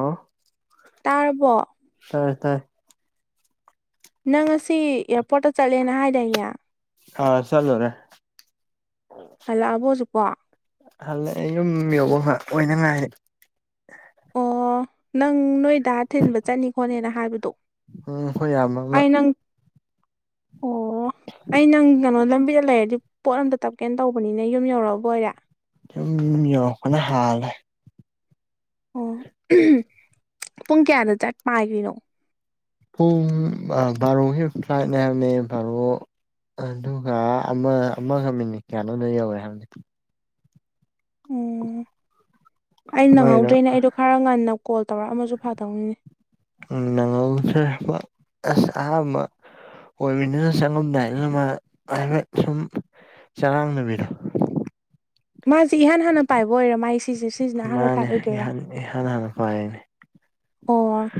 ꯑ ꯇꯥꯔꯕꯣ ꯇꯥꯏ ꯇꯥꯏꯌꯦ ꯅꯪ ꯑꯁꯤ ꯑꯦꯌꯥꯔꯄꯣꯔꯠꯇ ꯆꯠꯂꯦꯅ ꯍꯥꯏꯗꯥꯏꯅꯦ ꯑꯥ ꯆꯂ꯭ꯔꯦ ꯍꯜꯂꯛꯑꯕꯣꯁꯨꯀꯣ ꯍꯜꯂꯛꯑ ꯑꯩ ꯌꯨꯝ ꯌꯧꯕ ꯑꯣꯏꯅꯉꯥꯏ ꯑꯣ ꯅꯪ ꯅꯣꯏꯗ ꯊꯤꯟꯕ ꯆꯠꯅꯤ ꯈꯣꯠꯅꯦꯅ ꯍꯥꯏꯕꯗꯣ ꯎꯝ ꯍꯣꯏ ꯌꯥꯝꯕ ꯑꯃ ꯑꯩ ꯅꯪ ꯑꯣ ꯑꯩ ꯅꯪ ꯀꯩꯅꯣ ꯂꯝꯕꯤ ꯂꯩꯔꯗꯤ ꯄꯣꯠ ꯑꯝꯇ ꯇꯞꯀꯦꯅ ꯇꯧꯕꯅꯤꯅ ꯌꯨꯝ ꯌꯧꯔꯛꯑꯕ ꯑꯣꯏꯔꯦ ꯌ ꯀꯅ ꯍꯜ ꯑꯣ ꯄꯨꯡ ꯀꯌꯥꯗ ꯆꯠ ꯄꯥꯏꯈ꯭ꯔꯤꯅꯣ ꯄꯨꯡ ꯕꯥꯔꯣꯒꯤ ꯐ꯭ꯂꯥꯏꯠꯅꯦ ꯍꯥꯏꯕꯅꯦ ꯕꯥꯔꯣ ꯑꯗꯨꯒ ꯑꯃ ꯑꯃꯒ ꯃꯤꯅꯤꯠ ꯀꯌꯥꯅꯣꯅꯣ ꯌꯧꯔꯦ ꯍꯥꯏꯕꯗꯤ ꯎꯝ ꯑꯩꯅ ꯃꯥꯏꯗꯣ ꯅꯪꯍꯧꯗ꯭ꯔꯦꯅꯦ ꯑꯩꯗꯣ ꯈꯔ ꯉꯟꯅ ꯀꯣꯜ ꯇꯧꯔꯛꯃꯁꯨ ꯐꯥꯗꯧꯅꯤꯅꯤ ꯎ ꯅꯉ ꯑꯁ ꯑꯣꯏꯕꯅꯤꯅ ꯆꯪꯉꯂꯝꯗꯥꯏꯗꯅ ꯍꯥꯏꯐꯦ ꯁꯨꯝ ꯆꯔꯥꯡꯅꯕꯤꯔ ꯃꯥꯁꯦ ꯏꯍꯥꯟ ꯍꯥꯟꯅ ꯄꯥꯏꯕ ꯑꯣꯏꯔ ꯃꯥꯥꯏ ꯁꯤꯁꯦ ꯁꯤꯁꯤꯅ ꯑꯍꯥꯟꯕ ꯃꯥꯅꯦ ꯄꯥꯏꯑꯣꯣꯏꯗꯣꯏꯔꯥ ꯏꯍꯥꯟ ꯏꯍꯥꯟ ꯍꯥꯟꯅ ꯄꯥꯏꯌꯦꯅꯦ ꯑꯣ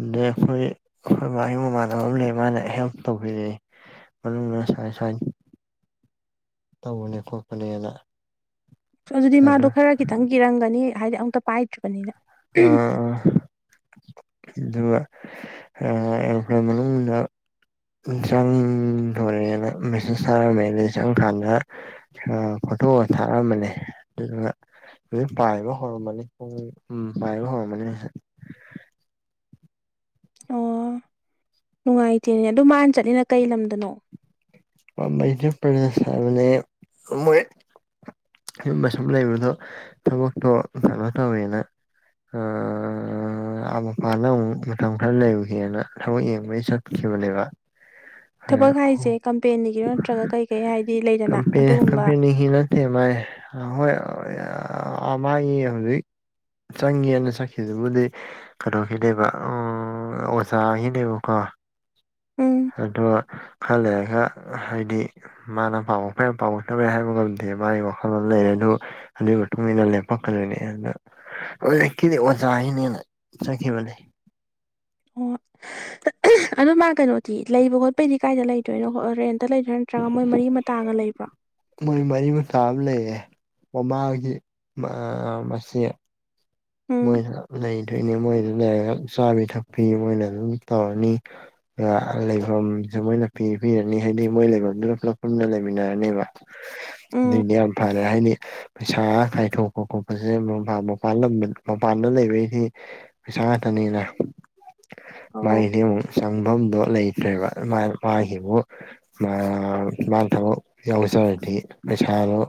ꯑꯗ ꯑꯩꯈꯣꯏ ꯑꯩꯈꯣꯏ ꯃꯥ ꯃꯃꯥꯟꯅꯕ ꯑꯃ ꯂꯩ ꯃꯥꯅ ꯍꯦꯜꯞ ꯇꯧꯕꯤꯔꯛꯑꯦ ꯁꯥꯏ ꯁꯥꯏ ꯇꯧꯕꯅꯤ ꯀꯣꯄꯅꯤꯅ ꯑꯗꯨꯗꯤ ꯃꯥꯗꯣ ꯈꯔ ꯈꯤꯇꯪ ꯀꯤꯔꯝꯒꯅꯤ ꯍꯥꯏꯗꯤ ꯑꯃꯨꯛꯇ ꯄꯥꯏꯗ꯭ꯔꯤꯕꯅꯤꯅ ꯑ ꯑ ꯀꯇꯨ ꯏꯝꯄ꯭ꯂꯥꯏ ꯃꯅꯨꯡꯂꯂꯝꯅ ꯏꯟꯁꯥꯡ ꯊꯁꯔ ꯃ ꯏ ꯆꯥꯡ ꯈꯥꯟꯗ ꯐꯣꯇꯣ ꯊꯥꯔꯛꯑꯝꯕꯅꯤ ꯑꯗꯨꯗꯨꯒ ꯑꯗꯨꯝ ꯄꯥꯏꯕ ꯍꯧꯔꯝꯃꯅꯤ ꯄꯨꯡ ꯎꯝ ꯄꯥꯏꯕ ꯍꯧꯔꯝꯃꯅꯤ ꯑꯣ ꯅꯨꯡꯉꯥꯏꯇꯦꯅꯦ ꯑꯗꯨ ꯃꯥꯅ ꯆꯠꯂꯤꯅ ꯀꯩ ꯂꯝꯗꯅꯣ [unintelligible] ꯁꯨꯝꯕ ꯁꯨꯝ ꯂꯩꯕꯗꯣ ꯊꯕꯛꯇꯣ ꯀꯩꯅꯣ ꯇꯧꯋꯦꯅ ꯑ-ꯑ-ꯑ-ꯑ ꯑ ꯃꯄꯥꯅ ꯑꯃꯨꯛ ꯃꯇꯝ ꯈꯔ ꯂꯩꯔꯨꯒꯦꯅ ꯊꯕꯛ ꯌꯦꯡꯕꯒꯤ ꯆꯠꯈꯤ ꯕꯅꯦꯕ ꯊꯕꯛ ꯍꯥꯏꯁ‌ꯦ ꯀꯝ ꯄꯦꯟꯒꯤꯔꯣ ꯅꯠꯇ꯭ꯔꯒ ꯀꯩ ꯀꯩ ꯍꯥꯏꯗꯤ ꯂꯩꯗꯅ ꯀꯝꯄꯦꯅꯤ ꯑꯗꯨꯒꯨꯝꯕ ꯀꯝꯄꯦꯅꯤꯒꯤ ꯅꯠꯇꯦ ꯃꯥꯏ ꯍꯣꯏ ꯑꯃꯥꯏꯉ ꯍꯧꯖꯤꯛ ꯆꯪꯒ‌ꯦꯅ ꯆꯠꯈꯤꯗꯨꯕꯨꯗꯤ ꯀꯩꯅꯣꯒꯤꯅꯦꯕ ꯎ ꯑꯣꯖꯥꯒꯤꯅꯦꯕꯀꯣ [inaudible] ꯎꯝ ꯑꯗꯣ ꯈꯔ ꯂꯩꯔꯒ ꯍꯥꯏꯗꯤ ꯃꯥꯅ ꯄꯥꯝꯃꯛꯄ ꯌꯥꯏ ꯄꯥꯝꯃꯛꯇꯕ ꯍꯥꯏꯕ ꯉꯝꯗꯦ ꯃꯥꯒꯤ ꯋꯥꯈꯜꯂꯣꯟ ꯂꯩꯔꯗꯤ ꯑꯗꯨ ꯑꯗꯨꯒꯤ ꯃꯇꯨꯡ ꯏꯟꯅ ꯂꯦꯞꯄꯛꯀꯗ‌ꯣꯏꯅꯦ ꯑꯗꯨꯅ ꯑꯣ ꯀꯩꯗꯤ ꯑꯣꯖ ꯍꯥꯏꯅ ꯆꯠꯈꯤꯕꯅꯤ ꯑꯣ ꯑꯗꯨ ꯃꯥ ꯀꯩꯅꯣꯗꯤ ꯂꯩꯕ ꯈꯣꯠꯄꯩꯗꯤ ꯀꯥꯏꯗ ꯂꯩꯗꯣꯏꯅꯣ ꯔ‌ꯦꯟꯠ ꯇ ꯂꯩꯗ꯭ꯔꯥ ꯅꯠꯇ꯭ꯔꯒ ꯃꯣꯏ ꯃꯔꯤ ꯑꯇꯥꯒ ꯂꯩꯕ꯭ꯔ‌ꯣ ꯃꯣꯏ ꯃꯔꯤ ꯃꯥꯇꯥ ꯑꯃ ꯂꯩꯌꯦ ꯃꯃꯥꯒꯤ ꯃꯁꯤ ꯎꯝ ꯃꯣꯏ ꯂꯩꯗꯣꯏꯅꯦ ꯃꯣꯏ ꯆꯥꯕꯤ ꯊꯛꯄꯤ ꯃꯣꯏꯅ ꯑꯗꯨꯝ ꯇꯧꯔꯅꯤ ꯂꯩꯐꯝꯁꯦ ꯃꯣꯏꯅ ꯄꯤ ꯄꯤꯕꯤꯔꯅꯤ ꯍꯥꯏꯗꯤ ꯃꯣꯏ ꯂꯩꯐꯝꯗꯨꯗ ꯄꯨꯂꯞ ꯄꯨꯟꯅ ꯂꯩꯃꯤꯟꯅꯔꯅꯦꯕ ꯎꯝ ꯑꯗꯨꯏꯗꯤ ꯌꯥꯝ ꯐꯔꯦ ꯍꯥꯏꯗꯤ ꯄꯩꯁꯥ ꯀꯥꯏꯊꯣꯛꯄ ꯈꯣꯠꯄꯁꯦ ꯃꯄꯥꯜ ꯂꯝ ꯃꯄꯥꯟꯗ ꯂꯩꯕꯩꯁꯤ ꯄꯩꯁꯥ ꯉꯥꯛꯇꯅꯤꯅ ꯍ ꯃꯥꯒꯤꯗꯤ ꯑꯃꯨꯛ ꯆꯪꯐꯝꯗꯣ ꯂꯩꯇ꯭ꯔꯦꯕ ꯃꯥꯒꯤꯕꯨ ꯁ ꯍꯥꯏꯗꯤ ꯃꯤ ꯆꯔꯣ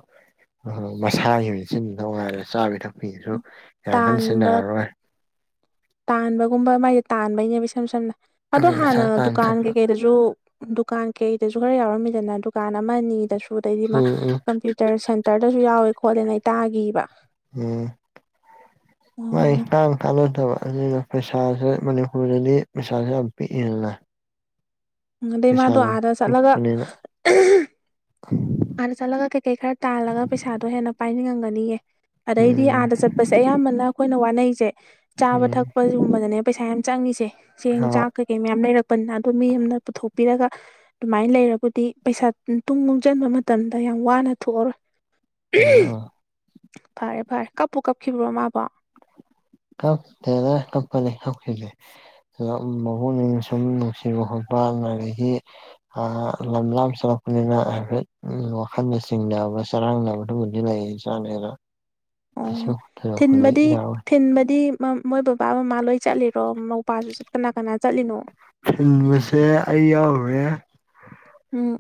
ꯑ ꯃꯁꯥꯒꯤ ꯁꯤꯤꯟꯕ ꯅꯨꯡꯉꯥꯏꯔꯦ ꯆꯥꯕꯤ ꯊꯛꯄꯤꯗꯁꯨ ꯇꯥꯟꯕ ꯇꯥꯟꯕꯒꯨꯝꯕ ꯃꯥꯏꯁꯦ ꯇꯥꯟꯕꯩꯅꯦꯕ ꯏꯁꯝ ꯁꯝꯅ ꯑꯗꯣ ꯄꯩꯁꯥ ꯍꯥꯟꯅ ꯇꯥꯟ ꯗꯨꯀꯥꯟ ꯊꯠꯄ ꯀꯩꯀꯩꯗꯁꯨ ꯗꯨꯀꯥꯟ ꯀꯩꯗꯁꯨ ꯈꯔ ꯌꯥꯎꯔꯝꯃꯤꯗꯅ ꯗꯨꯀꯥꯟ ꯑꯃ ꯑꯅꯤꯗꯁꯨ ꯑꯗꯩꯗꯤ ꯃꯥ ꯎꯝ ꯎꯝ ꯀꯝꯄ꯭ꯌꯨꯇꯔ ꯁꯦꯟꯇꯔꯗꯁꯨ ꯌꯥꯎꯋꯦ ꯈꯣꯠꯂꯦꯅ ꯇꯥꯥꯒꯤꯈꯤꯕ ꯎꯝ ꯃꯥꯏ ꯑꯣ ꯀꯥꯡ [unintelligible] ꯑꯗꯨꯅ ꯄꯩꯁꯥꯁꯦ ꯃꯅꯤꯄꯨꯔꯗꯗꯤ ꯄꯩꯁꯥꯁꯦ ꯌꯥꯝ ꯄꯤꯛꯏꯗꯥꯅ ꯑꯗꯩ ꯃꯥꯗꯣ ꯑꯥꯗ ꯆꯠꯂꯒ ꯄꯤꯛꯄꯅꯤꯅ ꯑꯥꯗ ꯆꯠꯂꯒ ꯀꯩꯀꯩ ꯈꯔ ꯇꯥꯜꯂꯒ ꯄꯩꯁꯥꯗꯣ ꯍꯦꯟꯅ ꯄꯥꯏꯅꯤꯡꯉꯝꯒꯅꯤꯌ‌ꯦ ꯑꯗꯩꯗꯤ ꯎꯝ ꯑꯥꯗ ꯆꯠꯄꯁꯦ ꯑꯌꯥꯝꯕꯅ ꯑꯩꯈꯣꯏꯅ ꯋꯥꯅꯩꯁꯦ ꯆꯥꯕ ꯎꯝ ꯊꯛꯄ ꯒꯨꯝꯕꯗꯅꯦ ꯄꯩꯁꯥ ꯌꯥꯝ ꯆꯪꯉꯤꯁꯦ ꯆꯦꯡ ꯍꯣꯏ ꯆꯥꯛ ꯀꯩꯀꯩ ꯃꯌꯥꯝ ꯂꯩꯔꯛꯄꯅꯤꯅ ꯑꯗꯣ ꯃꯤ ꯑꯃꯅ ꯄꯨꯊꯣꯛꯄ ꯄꯤꯔꯒ ꯑꯗꯨꯃꯥꯏꯅ ꯂꯩꯔꯕꯨꯗꯤ ꯄꯩꯁꯥ ꯇꯨꯡ ꯇꯨꯡꯁꯟꯕ ꯃꯇꯝꯗ ꯌꯥꯝ ꯋꯥꯅ ꯊꯣꯛꯑꯔꯣꯏ ꯑ ꯐꯔꯦ ꯐꯔꯦ ꯀꯞꯄꯨ ꯀꯞꯈꯤꯕ꯭ꯔꯣ ꯃꯥꯕꯣ ꯀꯞ ꯇ ꯀꯄ ꯂꯩ ꯀꯦ ꯃꯄꯛꯅꯤꯡ ꯁꯨꯝ ꯅꯨꯡꯁꯤꯕ ꯈꯣꯠꯄ ꯑꯗꯒꯤ ꯂꯝ ꯂꯥꯞ ꯆꯠꯂꯛꯄ ꯑꯗꯨꯅ ꯍꯥꯏꯐꯦꯠ ꯋꯥꯈꯜꯗ ꯆꯤꯡꯅꯕ ꯆꯔꯥꯡꯅꯕꯗꯨꯕꯨꯗꯤ ꯂꯩ ꯏꯆꯥꯅꯤꯅ ꯑꯣ ꯀꯩꯁ ꯌꯥ ꯋꯥꯦ ꯍꯥꯏꯗꯤ ꯃꯣꯏ ꯕꯕꯥ ꯃꯃꯥ ꯂꯣꯏ ꯆꯠꯂꯤꯔꯣ ꯃꯧꯄꯥꯁꯨ ꯀꯅꯥ ꯀꯅꯥ ꯆꯠꯂꯤꯅꯣ ꯊꯤꯟꯕꯁꯦ ꯑꯩ ꯌꯥꯎꯨꯔꯦ ꯎꯝ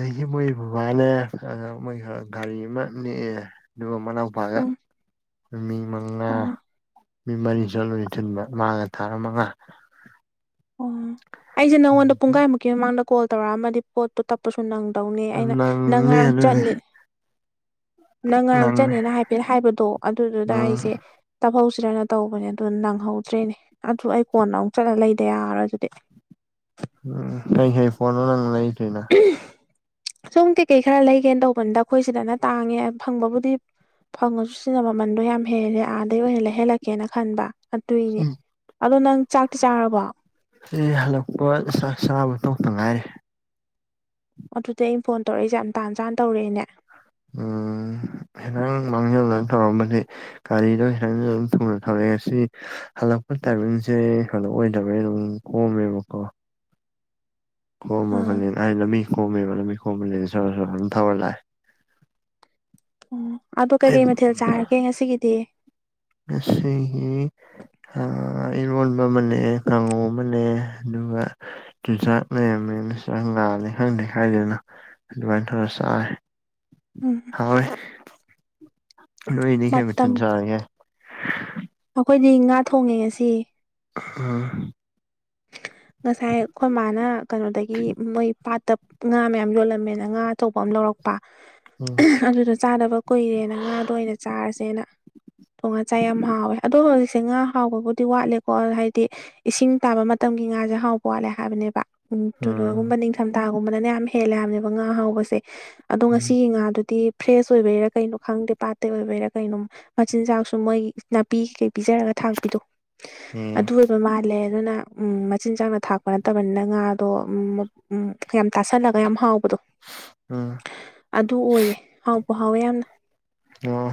ꯑꯩꯗꯤ ꯃꯣꯏ ꯕꯕꯥꯅꯦ ꯑ ꯃꯣꯏ ꯒꯥꯔꯤ ꯑꯃ ꯅꯦꯛꯑꯦ ꯑꯗꯨꯒ ꯑꯃꯅꯐꯚꯥꯔꯠ ꯎꯝ ꯃꯤ ꯃꯉꯥ ꯑꯣ ꯃꯤ ꯃꯔꯤꯁꯨ ꯂꯣꯏꯁꯤꯟꯕ ꯃꯥꯥꯡꯒ ꯊꯥ ꯃꯉꯥ ꯑꯣ ꯑꯩꯁꯦ ꯅꯉꯣꯟꯗ ꯄꯨꯡꯈꯥꯏꯃꯨꯛꯀꯤ ꯃꯃꯥꯡꯗ ꯀꯣꯜ ꯇꯧꯔꯛꯑꯝꯃꯗꯤ ꯄꯣꯠꯇꯣ ꯇꯞꯄꯁꯨ ꯅꯪꯦ ꯇꯧꯅꯤ ꯑꯩꯅ ꯅꯪ ꯅꯪꯅꯦ ꯉꯔꯥꯡ ꯑꯗꯨꯗꯤ ꯆꯠꯅꯤ ꯅꯪ ꯉꯔꯥꯡ ꯅꯪꯅꯦ ꯆꯠꯅꯤꯅ ꯍꯥꯏꯐꯦꯠ ꯍꯥꯏꯕꯗꯣ ꯑꯗꯨꯗꯨꯗ ꯎꯝ ꯑꯩꯁꯦ ꯇ ꯁꯤꯗꯅ ꯇꯧꯕꯅꯦ ꯑꯗꯨ ꯅꯪꯍꯧꯗ꯭ꯔꯦꯅꯦ ꯑꯗꯨ ꯑꯩ ꯀꯣꯟꯅ ꯑꯃꯨꯛ ꯆꯠꯂ ꯂꯩꯗ ꯌꯥꯔꯣꯏ ꯑꯗꯨꯗꯤ ꯀꯩ ꯍꯩ ꯐꯣꯟꯣ ꯅꯪ ꯂꯩꯗꯣꯏꯅ ꯁꯨꯝ ꯀꯩꯀꯩ ꯈꯔ ꯂꯩꯒꯦꯅ ꯇꯧꯕꯅꯤꯗ ꯑꯩꯈꯣꯏ ꯁꯤꯗꯅ ꯇꯥꯡꯉꯦ ꯐꯪꯕꯕꯨꯗꯤ ꯐꯪꯉꯁꯨ ꯁꯤꯅ ꯃꯃꯟꯗꯣ ꯌꯥꯝ ꯍꯦꯜꯂꯦ ꯑꯥꯗꯩ ꯑꯣꯏꯅ ꯂꯩ ꯍꯜꯂꯛꯀꯦꯅ ꯈꯟꯕ ꯑꯗꯨꯏꯅꯦ ꯎꯝ ꯑꯗꯣ ꯅꯪ ꯆꯥꯛꯇꯤ ꯆꯥꯔꯕꯣ ꯁꯤ ꯍꯜꯂꯛꯄ ꯆꯥꯛ ꯆꯥꯕꯨ ꯇꯣꯛꯇ ꯉꯥꯏꯔꯦ ꯑꯗꯨꯗꯤ ꯑꯩꯩꯅ ꯐꯣꯟ ꯇꯧꯔꯛꯏꯁꯦ ꯌꯥꯝ ꯇꯥꯟ ꯆꯥꯅ ꯇꯧꯔꯛꯦꯅꯦ ꯎꯝꯪ ꯃꯥꯡ ꯊ ꯊꯧꯔꯝꯕꯅꯦ ꯒꯥꯔꯤꯗꯣ ꯍꯈꯤꯇꯪ ꯊꯨꯅ ꯊꯧꯔꯛꯑꯦ ꯑꯁꯤ ꯍꯜꯂꯛꯄ ꯇꯥꯏꯃꯤꯡꯁꯦ ꯀꯩꯅꯣ ꯑꯣꯏꯗꯕꯩꯅ ꯑꯗꯨꯝ ꯀꯣꯝꯃꯦꯕꯀꯣ ꯑꯥ ꯀꯣꯝꯃꯒꯅꯤ ꯑꯩ ꯂꯝꯃꯤ ꯀꯣꯝꯃꯦꯕ ꯂꯝꯃꯤ ꯀꯂꯤ ꯁ ꯁ ꯊꯕ ꯂ ꯎ ꯑꯗꯨꯣ ꯀꯩꯀꯩ ꯃꯊꯦꯜ ꯆꯥꯔꯒꯦ ꯉꯁꯤꯒꯤꯗꯤ ꯑꯁ ꯍ ꯏꯔꯣꯟꯕ ꯑꯃꯅꯦ ꯀꯥꯡꯉꯧ ꯑꯃꯅꯦ ꯑꯗꯨꯒ ꯆꯤꯟꯖꯥꯛꯅꯦꯅꯦ ꯁꯨꯪ ꯂꯥꯛꯑꯅꯤ ꯈꯪꯗꯦ ꯈꯥꯏꯗꯅ ꯑꯗꯨꯃꯥꯏꯅ ꯊꯧꯅ ꯆꯥꯔꯦ ꯎꯝ ꯍꯣꯏ ꯅꯣꯏꯅꯤ ꯀꯩ ꯃꯇꯝ ꯃꯊꯦꯜ ꯆꯔꯒꯦ ꯑꯩꯈꯣꯏꯗꯤ ꯉꯥ ꯊꯣꯡꯉꯦ ꯉꯁꯤ ꯎꯝ ꯉꯁꯥꯏ ꯑꯩꯈꯣꯏ ꯃꯥꯅ ꯀꯩꯅꯣꯗꯒꯤ ꯃꯣꯏ ꯄꯥꯠꯇ ꯉꯥ ꯃꯌꯥꯝ ꯌꯣꯜꯂꯝꯃꯦꯅ ꯉꯥ ꯑꯆꯧꯕ ꯑꯃ ꯂꯧꯔꯛꯄ ꯎꯝ ꯑꯗꯨꯗꯣ ꯆꯥꯗꯅꯕ ꯀꯨꯏꯔꯦꯅ ꯉꯥꯗ ꯑꯣꯏꯅ ꯆꯥꯔꯁꯦꯅ ꯉ ꯆꯆꯥ ꯌꯥꯝ ꯍꯥꯎꯋꯦ ꯑꯗꯣ ꯍꯧꯖꯤꯛꯁꯦ ꯉꯥ ꯍꯥꯎꯕꯕꯨꯗꯤ ꯋꯥꯠꯂꯦꯀꯣ ꯍꯥꯏꯗꯤ ꯏꯁꯤꯡ ꯇꯥꯕ ꯃꯇꯝ ꯃꯇꯝꯒꯤ ꯉꯥꯁꯦ ꯍꯥꯎꯕ ꯋꯥꯠꯂꯦ ꯍꯥꯏꯕꯅꯦꯕ ꯎꯝ ꯎꯟꯒꯨꯝꯕ ꯅꯤꯡꯊꯝꯊ ꯇꯥꯥꯒꯨꯝꯕꯗꯅ ꯌꯥꯝ ꯍꯦꯜꯂꯦ ꯍꯥꯏꯕꯅꯦꯕ ꯉꯥ ꯍꯥꯎꯧꯕꯁꯦ ꯑꯗꯣ ꯉꯁꯤꯒꯤ ꯉꯥꯗꯨꯗꯤ ꯐ꯭ꯔꯦꯁ ꯑꯣꯏꯕꯩꯔꯥ ꯀꯩꯅꯣ ꯈꯪꯗꯦ ꯄꯥꯠꯇ ꯑꯣꯏꯕꯩꯔꯥ ꯀꯩꯅꯣ ꯃꯆꯤꯟꯖꯥꯛꯁꯨ ꯃꯣꯏꯒꯤ ꯅꯥꯄꯤ ꯄꯤꯖꯔꯒ ꯊꯥꯛꯄꯤꯗꯣ ꯎꯝ ꯑꯗꯨ ꯑꯣꯏꯕ ꯃꯥꯜꯂꯦ ꯑꯗꯨꯅ ꯎꯝ ꯃꯆꯤꯟꯖꯥꯛꯅ ꯊꯥꯛꯄ ꯅꯠꯇꯕꯅꯤꯅ ꯉꯥꯗꯣ ꯌꯥꯝ ꯇꯥꯁꯜꯂꯒ ꯌꯥꯝ ꯍꯥꯎ ꯎꯝ ꯑꯗꯨ ꯑꯣꯏꯌꯦꯦ ꯍꯥꯎꯕ ꯍꯥꯎꯋꯦ ꯌꯥꯝꯅ ꯑꯥ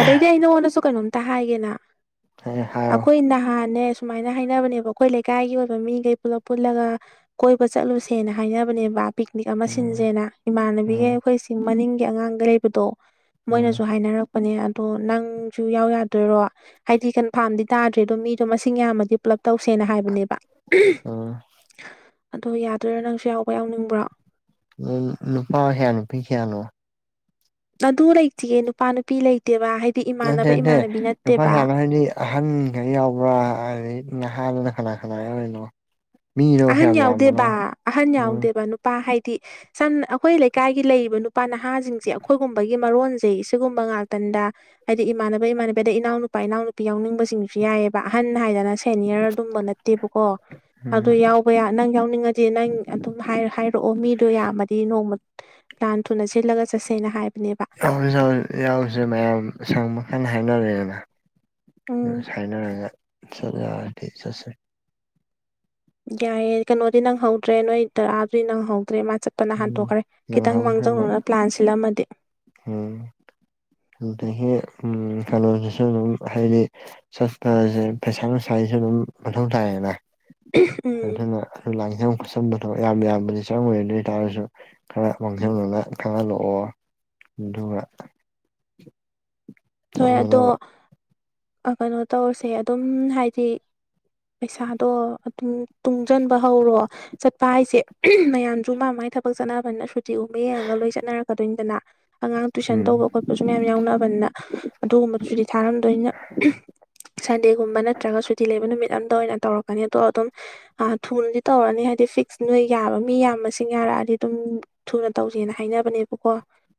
ꯑꯗꯩꯗꯤ ꯑꯩ ꯅꯉꯣꯟꯗꯁꯨ ꯀꯩꯅꯣꯝꯇ ꯍꯥꯏꯒꯦꯅ ꯍꯣꯏ ꯍꯥꯏꯌꯣ ꯑꯩꯈꯣꯏ ꯅꯍꯥꯟꯅꯦ ꯁꯨꯃꯥꯏꯅ ꯍꯥꯏꯅꯕꯅꯦꯕ ꯑꯩꯈꯣꯏ ꯂꯩꯀꯥꯏꯒꯤ ꯑꯣꯏꯕ ꯃꯤꯈꯩ ꯄꯨꯂꯞ ꯄꯨꯜꯂꯒ ꯀꯣꯏꯕ ꯆꯠꯂꯨꯁꯦꯅ ꯍꯥꯏꯅꯕꯅꯦꯕ ꯄꯤꯛꯅꯤꯛ ꯑꯃ ꯎꯝ ꯁꯤꯟꯖꯦꯅ ꯏꯃꯥꯟꯅꯕꯤꯒ ꯎꯝ ꯑꯩꯈꯣꯏꯁꯤꯡ ꯃꯅꯤꯡꯒꯤ ꯑꯉꯥꯡꯒ ꯂꯩꯕꯗꯣ ꯎꯝ ꯃꯣꯏꯅꯁꯨꯨ ꯍꯥꯏꯅꯔꯛ ꯂꯄꯅꯦ ꯑꯗꯣ ꯅꯪꯁꯨ ꯌꯥꯎ ꯌꯥꯗꯣꯏꯔꯣ ꯍꯥꯏꯗꯤ ꯀꯟꯐꯥꯔꯝꯗꯤ ꯇꯥꯗ꯭ꯔꯦ ꯑꯗꯣ ꯃꯤꯗꯣ ꯃꯁꯤꯡ ꯌꯥꯝꯃꯗꯤ ꯄꯨꯂꯞ ꯇꯧꯁꯦꯅ ꯍꯥꯏꯕꯅꯦꯕ ꯎꯝ ꯑꯗꯣ ꯌꯥꯗꯣꯏꯔꯥ ꯅꯪꯁꯨ ꯌꯥꯎꯕ ꯌꯥꯎꯅꯤꯡꯕ꯭ꯔꯣ ꯅꯨꯄꯥ ꯍꯌꯥ ꯅꯨꯄꯤ ꯀꯌꯥꯅꯣ ꯑꯗꯨ ꯂꯩꯇ ꯌꯦ ꯅꯨꯄꯥꯅ ꯅꯨ ꯄꯤꯂ ꯂꯩꯇꯦꯕ ꯍꯥꯏꯗꯤ ꯅꯠꯇꯦ ꯏꯃꯥꯟꯅꯕ ꯅꯠꯇꯦ ꯏꯃꯥꯟꯅꯕꯤ ꯅꯨꯄꯥ ꯅꯠꯇꯦꯕ ꯍꯌꯥꯅ ꯍꯥꯏꯗꯤ ꯑꯍꯟꯈꯩ ꯌꯥꯎꯕ꯭ꯔꯥ ꯑꯩ ꯅꯍꯥꯟꯅ ꯈꯅꯥ ꯈꯅꯥ ꯑꯣꯏꯅꯣ ꯑꯍꯟ ꯌꯥꯎꯗꯦꯕ ꯑꯍꯟ ꯎꯝ ꯌꯥꯎꯗꯦꯕ ꯅꯨꯄꯥ ꯍꯥꯏ ꯁꯝ ꯑꯩꯈꯣꯏ ꯂꯩꯀꯥꯏꯒꯤ ꯂꯩꯔꯤꯕ ꯅꯨꯄꯥ ꯅꯍꯥꯁꯤꯡꯁꯦ ꯑꯩꯈꯣꯏꯒꯨꯝꯕꯒꯤ ꯃꯔꯣꯟꯁꯩ ꯁꯤꯒꯨꯝꯕ ꯉꯥꯛꯇꯅꯦ ꯍꯥꯏꯗꯤ ꯏꯃꯥꯟꯅꯕ ꯏꯃꯥꯟꯅꯕꯗ ꯏꯅꯥꯎꯅ ꯅꯨꯄꯥ ꯏꯅꯥꯎꯅ ꯅꯨꯄꯤ ꯌꯥꯎꯅꯤꯡꯕꯁꯤꯡꯁꯨ ꯌꯥꯏꯑꯕ ꯑꯍꯟ ꯍꯥꯏꯗꯅ ꯁꯦꯅꯤꯌꯔ ꯑꯗꯨꯝꯕ ꯅꯠꯇꯦꯕꯀꯣ ꯎꯝ ꯑꯗꯨ ꯌꯥꯎꯕ ꯌꯥ ꯅꯪ ꯌꯥꯎꯅꯤꯡꯉꯗꯤ ꯅꯪ ꯑꯗꯨꯝ ꯍꯥꯏꯔꯛꯑꯣ ꯃꯤꯗꯣ ꯌꯥꯝꯃꯗꯤ ꯅꯣꯡꯃ ꯌꯥꯝ ꯊꯨꯅ ꯆꯜꯂꯒ ꯆꯠꯁꯦꯅ ꯍꯥꯏꯕ ꯌꯥꯎꯔꯦ ꯌꯥꯎꯔꯦ ꯌꯥꯎꯁꯦ ꯃꯌꯥꯝ ꯁꯪ ꯀꯜ ꯎꯝ ꯍꯥꯏꯅꯔꯛꯑꯦꯅ ꯅ ꯆ [unintelligible] ꯆꯁ ꯌꯥꯏꯌꯦ ꯀꯩꯅꯣꯗꯤ ꯅꯪ ꯍꯧꯗ꯭ꯔꯦ ꯅꯣꯏ ꯗꯥꯗꯥ ꯗꯨꯗꯤ ꯅꯪ ꯍꯧꯗ꯭ꯔꯦ ꯃꯥ ꯆꯠꯄꯅ ꯎꯝ ꯍꯟꯇꯣꯛꯈ꯭ꯔꯦ ꯈꯤꯇꯪ ꯅꯪꯍꯧꯅꯕ ꯃꯥꯡꯖꯧꯅꯅ ꯄ꯭ꯂꯥꯟ ꯁꯤꯜꯂꯝꯃꯗꯤ ꯍꯝ ꯑꯗꯒꯤ ꯀꯩꯅꯣꯁꯤꯁꯨ ꯑꯗꯨꯝ ꯍꯥꯏꯗꯤ ꯆꯠꯄꯁꯦ ꯄꯩꯁꯥ ꯅꯨꯡꯁꯥꯁꯨ ꯑꯗꯨꯝ ꯃꯊꯧ ꯇꯥꯏꯌꯦꯅ ꯎꯝ ꯑꯗꯨꯅ ꯑꯗꯨ ꯂꯥꯡꯁꯝ ꯈꯣꯠꯁꯟꯕꯗꯣ ꯌꯥꯝ ꯌꯥꯝꯕꯗꯤ ꯆꯪꯉꯗꯤ ꯍꯥꯏ ꯇꯥꯔꯁꯨ ꯈꯔ ꯃꯥꯡꯁꯤꯟꯅꯅ ꯈꯪꯍꯜꯂꯛꯑꯣ ꯑꯗꯨꯒ [inaudible] ꯍꯣꯏ ꯑꯗꯣ ꯆꯠꯅꯅꯕ ꯀꯩꯅꯣ ꯇꯧꯔꯁꯦ ꯑꯗꯨꯝ ꯍꯥꯏꯗꯤ ꯄꯩꯁꯥꯗꯣ ꯑꯗꯨꯝ ꯇꯨꯡꯁꯤꯟꯕ ꯍꯧꯔꯣ ꯆꯠꯄ ꯍꯥꯏꯁꯦ ꯃꯌꯥꯝ ꯁꯨ ꯃꯥ ꯃꯒꯤ ꯊꯕꯛ ꯆꯠꯅꯕꯅꯤꯅ ꯁꯨꯇꯤꯒꯨꯝꯕ ꯌꯦꯡꯉꯒ ꯂꯣꯏ ꯆꯠꯅꯔꯛꯀꯗꯣꯏꯅꯤꯗꯅ ꯑꯉꯥꯡ ꯇꯨꯏꯁꯟ ꯎꯝ ꯇꯧꯕ ꯈꯣꯠꯄꯁꯨ ꯃꯌꯥꯝ ꯌꯥꯎꯅꯑꯕꯅꯤꯅ ꯑꯗꯨꯒꯨꯝꯕꯗꯨꯁꯨꯗꯤ ꯊꯥꯔꯝꯗꯣꯏꯅ ꯁꯟꯗꯦꯒꯨꯝꯕ ꯅꯠꯇ꯭ꯔꯒ ꯁꯨꯇꯤ ꯂꯩꯕ ꯅꯨꯃꯤꯠ ꯑꯝꯗ ꯑꯣꯏꯅ ꯇꯧꯔꯛꯀꯅꯤ ꯑꯗꯣ ꯑꯗꯨꯝ ꯊꯨꯅꯗꯤ ꯇꯧꯔꯅꯤ ꯍꯥꯏ ꯍꯥꯏꯗꯤ ꯐꯤꯛꯁ ꯅꯣꯏ ꯌꯥꯕ ꯃꯤ ꯌꯥꯝ ꯃꯁꯤꯡ ꯌꯥꯔꯛꯑꯗꯤ ꯑꯗꯨꯝ ꯊꯨꯅ ꯇꯧꯁꯦꯅ ꯍꯥꯏꯅꯕꯅꯦꯕꯀꯣ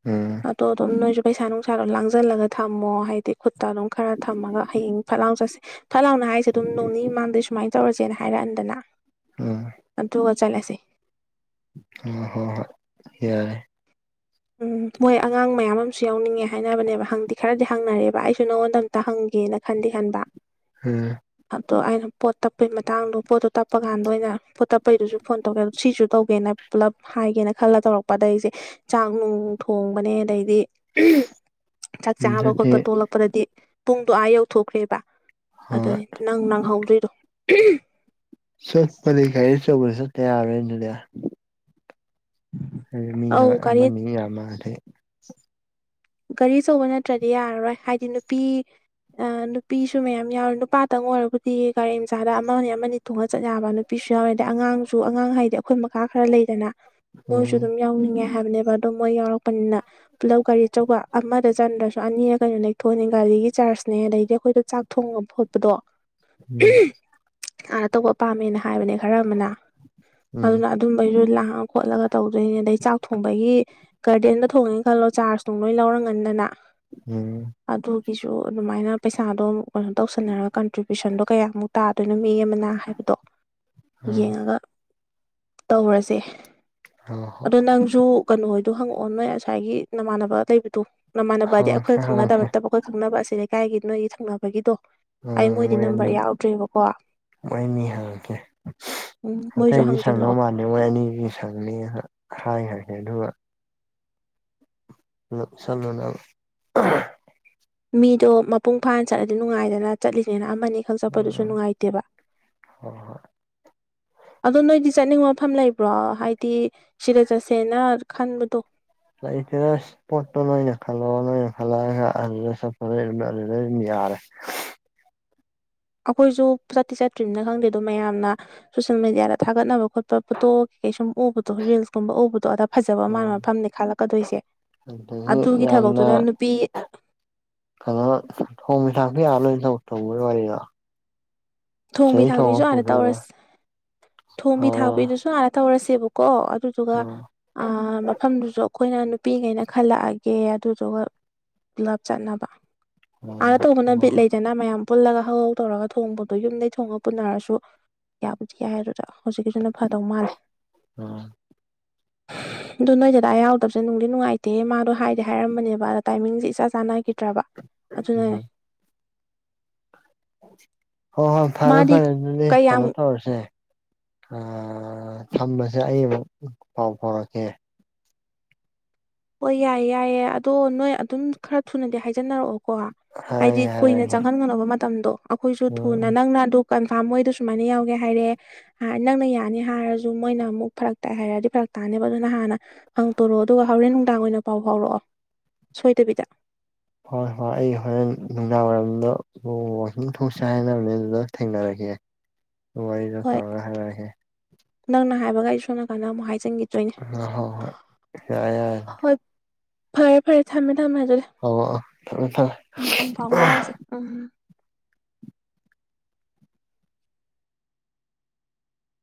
ꯎꯝ ꯑꯗꯣ ꯑꯗꯨꯝ ꯅꯣꯏꯁꯨ ꯄꯩꯁꯥ ꯅꯨꯡꯁꯥꯗꯣ ꯂꯥꯡꯁꯤꯜꯂꯒ ꯊꯝꯃꯣ ꯍꯥꯏꯗꯤ ꯈꯨꯠꯇ ꯑꯗꯨꯝ ꯈꯔ ꯊꯝꯃꯒ ꯍꯌꯦꯡ ꯐꯠ ꯂꯥꯡ ꯆꯠꯁꯦ ꯊꯠ ꯂꯥꯎꯅ ꯍꯥꯏꯁꯦ ꯑꯗꯨꯝ ꯅꯣꯡꯅꯤ ꯃꯃꯥꯡꯗꯩ ꯁꯨꯃꯥꯏꯅ ꯇꯧꯔꯁꯦꯅ ꯍꯥꯏꯔꯛꯑꯟꯗꯅ ꯑ ꯆꯠꯂꯥꯁꯦ ꯑ ꯍꯣ ꯍꯣꯏ ꯌꯥꯔꯦ ꯎꯝ ꯃꯣꯏ ꯑꯉꯥꯡ ꯃꯌꯥꯝ ꯑꯃꯁꯨ ꯌꯥꯎꯅꯤꯡꯉꯦ ꯍꯥꯏꯅꯕꯅꯦꯕ ꯍꯪꯗꯤ ꯈꯔꯗꯤ ꯍꯪꯅꯔꯦꯕ ꯑꯩꯁꯨ ꯅꯪꯉꯣꯟꯗ ꯑꯝꯇ ꯍꯪꯒꯦ ꯒꯦꯅ ꯈꯟꯗꯤꯦ ꯈꯟꯕ ꯎꯝ ꯑꯗꯣ ꯑꯩꯅ ꯄꯣꯠ ꯇꯞꯄꯩ ꯃꯇꯥꯡꯗꯣ ꯄꯣꯠꯇꯣ ꯇꯞꯄ ꯀꯥꯟꯗ ꯑꯣꯏꯅ ꯄꯣꯠ ꯇꯞꯄꯩꯗꯨꯁꯨ ꯐꯣꯟ ꯇꯧꯒꯦ ꯑꯗꯣ ꯁꯤꯁꯨ ꯇꯧꯒꯦꯅ ꯄꯨꯜꯂꯞ ꯍꯥꯏꯒꯦꯅ ꯈꯜꯂ ꯇꯧꯔꯛꯄꯗ ꯑꯩꯁꯦ ꯆꯥꯛ ꯅꯨꯡ ꯊꯣꯡꯕꯅꯦ ꯑꯗꯩꯗꯤ ꯆꯥꯛ ꯆꯥꯕ ꯑꯗꯨꯗꯤ ꯈꯣꯠꯄ ꯇꯣꯂꯛꯄꯗꯗꯤ ꯄꯨꯡꯗꯣ ꯑꯥ ꯌꯧꯊꯣꯛꯈ꯭ꯔꯦꯕ ꯍꯣꯏ ꯑꯗꯨꯅꯤ ꯅꯪ ꯅꯪꯍꯧꯗ꯭ꯣꯏꯗꯣ ꯆꯠ ꯄꯗꯥꯗꯤ ꯒꯥꯔꯤ ꯑꯆꯧꯕꯗ ꯆꯁ ꯇ ꯌꯥꯔꯔꯥꯔꯣꯢ ꯑꯗꯨꯗꯤ ꯃꯤ ꯑꯧ ꯒꯥꯔꯤ ꯑꯃꯅꯤ ꯌꯥꯝ ꯃꯥꯂꯦ ꯒꯥꯔꯤ ꯑꯆꯧꯕ ꯅꯠꯇ꯭ꯔꯗꯤ ꯌꯥꯔꯔꯣꯏ ꯍꯥꯏꯗꯤ ꯅꯨꯄꯤ ꯑ ꯅꯨꯄꯤꯁꯨ ꯃꯌꯥꯝ ꯌꯥꯎꯔꯦ ꯅꯨꯄꯥꯇꯪ ꯑꯣꯏꯔꯕꯨꯗꯤ ꯒꯥꯔꯤ ꯃꯆꯥꯗ ꯑꯃ ꯑꯃꯅꯤ ꯊꯣꯡꯉꯒ ꯆꯠ ꯌꯥꯕ ꯅꯨꯄꯤꯁꯨ ꯌꯥꯎꯋꯦꯗ ꯑꯉꯥꯡꯁꯨ ꯑꯉꯥꯡ ꯍꯥꯏꯗꯤ ꯑꯩꯈꯣꯏ ꯃꯈꯥ ꯈꯔ ꯂꯩꯗꯅ ꯃꯣꯏꯁꯨ ꯎꯝ ꯑꯗꯨꯝ ꯌꯥꯎꯅꯤꯡꯉꯦ ꯍꯥꯏꯕꯅꯦꯕ ꯑꯣ ꯃꯣꯏ ꯌꯥꯎꯔꯛꯄꯅꯤꯅ ꯄꯨꯂꯞ ꯒꯥꯔꯤ ꯑꯆꯧꯕ ꯑꯃꯗ ꯆꯟꯗ꯭ꯔꯁꯨ ꯑꯅꯤꯔ ꯀꯩꯅꯣ ꯅꯦꯛꯊꯣꯛꯑꯅꯦ ꯒꯥꯔꯤꯒꯤ ꯆꯥꯔꯖꯅꯦ ꯑꯗꯩꯗꯤ ꯑꯩꯈꯣꯏꯗ ꯆꯥꯛ ꯊꯣꯡꯕ ꯈꯣꯠꯄꯗꯣ ꯎꯝ ꯑꯥꯟꯅ ꯇꯧꯕ ꯄꯥꯝꯃꯦꯅ ꯍꯥꯏꯕꯅꯦ ꯈꯔ ꯑꯃꯅ ꯎꯝ ꯑꯗꯨꯅ ꯑꯗꯨꯝꯕꯩꯁꯨ ꯂꯥꯛ ꯈꯣꯠꯂꯒ ꯇꯧꯗꯣꯏꯅꯦ ꯑꯗꯩ ꯆꯥꯛ ꯊꯣꯡꯕꯒꯤ ꯒꯥꯔꯗꯦꯟꯗ ꯊꯣꯡꯉꯦꯅ ꯈꯜꯂꯣ ꯆꯥꯔ ꯇꯨꯡꯂꯣꯏ ꯂꯧꯔ ꯉꯟꯗꯅ ꯎꯝ ꯁꯤꯁꯨ ꯑꯗꯨꯃꯥꯏꯅ ꯄꯩꯁꯥꯗꯣ ꯀꯩꯅꯣ ꯇꯧꯁꯟꯅꯔꯒ ꯀꯟꯇ꯭ꯔꯤꯕ꯭ꯌꯨꯁꯟꯗꯣ ꯀꯌꯥꯃꯨꯛ ꯇꯥꯗꯣꯏꯅꯣ ꯃꯤ ꯑꯃꯅ ꯍꯥꯏꯕꯗꯣ ꯎꯝ ꯌꯦꯡꯉꯒ ꯇꯧꯔꯁꯦ ꯍꯣꯏ ꯍꯣꯏ ꯑꯗꯣ ꯅꯪꯁꯨ ꯀꯩꯅꯣꯍꯣꯏꯗꯣ ꯍꯪꯉꯛꯑꯣ ꯅꯣꯏ ꯉꯁꯥꯏꯒꯤ ꯅꯃꯥꯟꯅꯕ ꯂꯩꯕꯗꯣ ꯅꯃꯥꯟꯅꯕꯗꯤ ꯍꯪꯉꯛꯀꯦ ꯑꯩꯈꯣꯏꯒ ꯈꯪꯅꯗꯕ ꯍꯪꯉꯛꯀꯦ ꯅꯠꯇꯕ ꯑꯩꯈꯣꯏ ꯈꯪꯅꯕ ꯑ ꯑꯁꯤꯦ ꯂꯩꯀꯥꯏꯒꯤ ꯅꯣꯏꯒꯤ ꯈꯪꯅꯕꯒꯤꯗꯣ ꯑꯩ ꯃꯣꯏꯗꯤ ꯅꯝꯕꯔ ꯌꯥꯎꯗ꯭ꯔꯦꯕꯀꯣ ꯋꯥꯣꯏꯅꯤ ꯍꯥꯏ ꯀꯦ ꯎꯝ ꯃꯣꯏꯁꯨ ꯑꯇꯩꯒꯤ ꯁꯪꯅꯕꯧ ꯍꯪꯖꯜꯂꯛꯑꯣ ꯃꯥꯥꯟꯅꯤ ꯍꯣꯏ ꯑꯅꯤꯒꯤ ꯁꯪꯅꯤ ꯍꯥꯏ ꯍꯥꯏꯦ ꯑꯗꯨꯒ ꯍ ꯁꯂꯨꯅ ꯃꯤꯗꯣ ꯃꯄꯨꯡ ꯐꯥꯅ ꯆꯠꯂꯗꯤ ꯅꯨꯡꯉꯥꯏꯗꯅ ꯆꯠꯂꯤꯅꯤꯅ ꯃ ꯈꯪ ꯆꯄꯗꯨꯁꯨ ꯎꯝ ꯅꯨꯡꯉꯥꯏꯇꯦꯕ ꯍꯣꯏ ꯍꯣꯏ ꯑ ꯅ ꯆꯠꯅꯤꯡꯕ ꯃꯐꯝ ꯂꯩꯕ꯭ꯔꯣ ꯍꯥꯏꯗꯤ ꯁꯤꯗ ꯆꯠꯁꯦꯅ ꯈꯟꯕꯗꯣ ꯏ ꯏꯁ ꯄꯠ ꯅꯣꯏ ꯅꯈ ꯅꯈ ꯆ ꯌꯥꯔꯦ [inaudible] ꯑꯩꯈꯣꯏꯁꯨ ꯆꯠꯇꯤ ꯆꯠꯇ꯭ꯔꯤꯝꯅ ꯈꯪꯗꯦ ꯑꯗꯣ ꯃꯌꯥꯝꯅ ꯁꯣꯁꯦꯜ ꯃꯦꯗꯤꯌꯥꯗ ꯊꯥꯒꯠꯅꯕ ꯈꯣꯠꯄ ꯄꯣꯇꯣ ꯀꯩ ꯁꯨꯝ ꯎꯕꯗꯣ ꯔꯤꯜꯁꯀꯨꯝꯕ ꯎꯕꯗꯣ ꯑꯗ ꯐꯖꯕ ꯎꯝ ꯃꯥꯟꯕ ꯃꯐꯝꯅꯦ ꯈꯜꯂꯛꯀꯗꯣꯏꯁꯦ ꯑꯗꯨꯗꯒꯤ ꯑꯗꯨꯒꯤ ꯌꯥꯝꯅ ꯊꯕꯛꯇꯨꯗ ꯅꯨꯄꯤ ꯀꯩꯅꯣ ꯊꯣꯡꯃꯤ ꯊꯥꯛꯄ ꯌꯥꯔ ꯂꯣꯏ ꯇꯧꯕꯒꯤ ꯋꯥꯔꯤꯗ ꯊꯣꯡꯕꯤ ꯊꯥꯛꯄꯤꯁꯨ ꯍꯥꯟꯅ ꯇꯧꯔꯁ ꯊꯣꯡꯝꯕꯤ ꯑꯣ ꯊꯥꯛꯄꯤꯗꯨꯁꯨ ꯍꯥꯟꯅ ꯇꯧꯔꯁꯦꯕꯀꯣ ꯀꯣ ꯑꯗꯨꯗꯨꯒ ꯎꯝ ꯃꯐꯝꯗꯨꯁꯨ ꯑꯩꯈꯣꯏꯅ ꯅꯨꯄꯤꯉꯩꯅ ꯈꯜꯂꯛꯑꯒꯦ ꯑꯗꯨꯗꯨꯒ ꯄꯨꯂꯞ ꯆꯠꯅꯕ ꯑꯥꯅ ꯎꯝ ꯍꯣꯏ ꯇꯧꯕꯅ ꯕꯤꯠ ꯍꯣꯏ ꯂꯩꯗꯅ ꯃꯌꯥꯝ ꯄꯨꯜꯂꯒ ꯍꯍꯥꯎ ꯇꯧꯔꯒ ꯊꯣꯡꯕ ꯑꯗꯣ ꯌꯨꯝꯗꯩ ꯊꯣꯡꯉ ꯄꯨꯟꯅꯔꯁꯨ ꯌꯥꯕꯨꯗꯤ ꯌꯥꯏ ꯍꯥꯏꯔ ꯍꯧꯖꯤꯛꯀꯤꯁꯨꯅ ꯐꯗꯧ ꯃꯥꯜꯂꯦ ꯎꯝ ꯑꯣ ꯅꯣꯏꯗꯗꯥ ꯌꯥꯎꯗꯕꯁꯦ ꯅꯨꯡꯗꯤ ꯅꯨꯡꯉꯥꯏꯇꯦ ꯃꯥꯗꯣ ꯍꯥꯏꯗꯤꯦ ꯍꯥꯏꯔꯝꯕꯅꯦꯕ ꯑꯗ ꯇꯥꯏꯃꯤꯡꯁꯦ ꯏꯁꯥ ꯆꯥꯅꯈꯤ ꯅꯠꯇ꯭ꯔꯕ ꯑꯗꯨꯅ ꯎꯝ ꯍꯣꯏ ꯍꯣꯏ ꯐꯔꯦ ꯃꯥꯗꯤ ꯐꯔꯦ ꯑꯗꯨꯗꯤ ꯀꯌꯥꯝ ꯀꯩꯅꯣ ꯇꯧꯔꯁꯦ ꯊꯝꯕꯁꯦ ꯑꯩ ꯑꯃꯨꯛ ꯄꯥꯎ ꯐꯥꯎꯔꯛꯀꯦ ꯍꯣꯏ ꯌꯥꯏꯌꯦ ꯌꯥꯏꯌꯦꯦ ꯑꯗꯣ ꯅꯣꯏ ꯑꯗꯨꯝ ꯈꯔ ꯊꯨꯅꯗꯤ ꯍꯥꯏꯖ ꯁꯤꯟꯅꯔꯛꯑꯣ ꯀꯣ ꯍꯥꯏꯗꯤ ꯍꯥꯏꯔꯒꯦ ꯀꯨꯏꯅ ꯍꯥꯏꯔꯒꯦ ꯆꯪꯍꯟ ꯉꯅꯕ ꯃꯇꯝꯗꯣ ꯑꯩꯈꯣꯏꯁꯨ ꯎꯝ ꯊꯨꯅ ꯅꯪꯅ ꯑꯗꯨ ꯀꯟꯐꯥꯔꯝ ꯃꯣꯏꯗꯣ ꯁꯨꯃꯥꯏꯅ ꯌꯥꯎꯒꯦ ꯍꯥꯏꯔꯦ ꯅꯪꯅ ꯌꯥꯅꯤ ꯍꯥꯏꯔꯁꯨ ꯃꯣꯏꯅ ꯑꯃꯨꯛ ꯐꯔꯛꯇ ꯍꯥꯏꯔꯗꯤ ꯐꯔ ꯇꯅꯦꯕ ꯑꯗꯨꯅ ꯍꯥꯟꯅ ꯍꯪꯇꯣꯔꯛꯑꯣ ꯑꯗꯨꯒ ꯍꯣꯔꯦꯟ ꯇꯥꯡ ꯑꯣꯏꯅ ꯄꯥꯎ ꯐꯥꯎꯔꯛꯑꯣ ꯁꯣꯏꯗꯕꯤꯗ ꯍꯣꯏ ꯍꯣꯏ ꯑꯩ ꯍꯣꯔꯦꯟ ꯅꯨꯡꯗꯥꯡꯋꯥꯏꯝꯗ ꯋꯥꯤꯡ ꯊꯣꯡ ꯆꯥꯏꯅꯕꯅꯤ ꯑꯗꯨꯗ ꯊꯦꯡꯅꯔꯛꯒꯦ [inaudible] ꯋꯥꯔꯤꯗ ꯍꯣꯏ ꯇꯧꯔ ꯍꯥꯏꯔꯛꯑꯒꯦ ꯅꯪꯅ ꯍꯥꯏꯕꯒ ꯑꯩ ꯁꯣꯝꯅ ꯀꯥꯟꯗ ꯑꯃꯨꯛ ꯍꯥꯏꯖꯟꯈꯤꯗ ꯑ ꯍ ꯍ ꯌꯥ ꯌꯥ ꯍꯣꯏ ꯐꯔꯦ ꯐꯔꯦ ꯊꯝꯃꯦ ꯊꯝꯃꯦ ꯑꯗꯨꯗꯤ ꯊꯝꯃꯦ ꯊꯝꯃꯦ ꯎꯝ ꯑꯃꯨ ꯐꯥꯎꯅꯔꯁꯤꯦ ꯎꯝꯝ